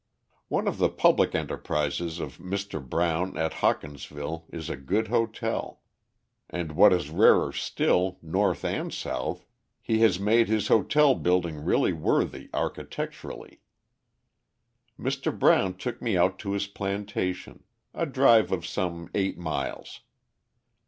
One of the public enterprises of Mr. Brown at Hawkinsville is a good hotel; and what is rarer still, North and South, he has made his hotel building really worthy architecturally. Mr. Brown took me out to his plantation a drive of some eight miles.